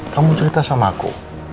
kamu cerita sama aku